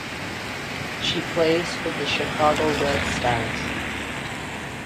She plays for the Chicago Red Stars.